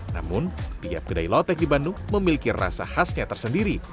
namun tiap kedai lotek di bandung memiliki rasa khasnya tersendiri